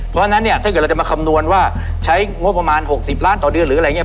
เพราะฉะนั้นเนี่ยถ้าเกิดเราจะมาคำนวณว่าใช้งบประมาณ๖๐ล้านต่อเดือนหรืออะไรอย่างนี้